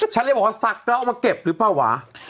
ฉันเลยบอกว่าศักดิ์แล้วเอามาเก็บหรือเปล่าวะ